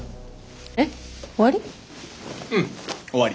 えっ終わり？